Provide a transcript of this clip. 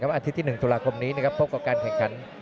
อันที่๑ตุลาคมนี้พบกับการแข่งขัน